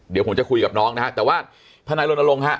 เดี๋ยวผมจะคุยกับน้องนะฮะแต่ว่าทนายรณรงค์ฮะ